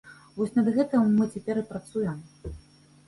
Вось над гэтым мы цяпер і працуем.